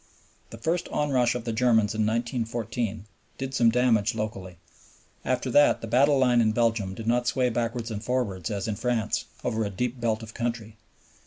The first onrush of the Germans in 1914 did some damage locally; after that the battle line in Belgium did not sway backwards and forwards, as in France, over a deep belt of country.